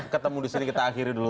ketemu disini kita akhiri dulu